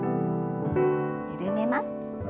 緩めます。